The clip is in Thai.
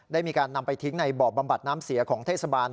ได้มีการนำไปทิ้งในบ่อบำบัดน้ำเสียของเทศบาล